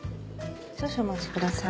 少々お待ちください。